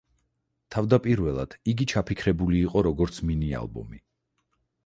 თავდაპირველად იგი ჩაფიქრებული იყო, როგორც მინი ალბომი.